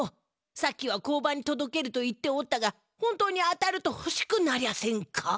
さっきは交番にとどけると言っておったが本当に当たるとほしくなりゃせんか？